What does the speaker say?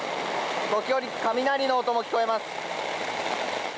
時折、雷の音も聞こえます。